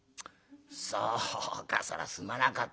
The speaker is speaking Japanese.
そうかそらすまなかったな。